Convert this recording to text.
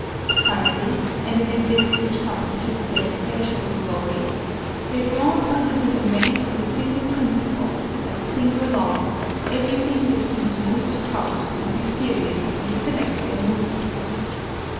Finally and it is this which constitutes their imperishable glory they brought under the domain of a single principle, a single law, everything that seemed most occult and mysterious in the celestial movements.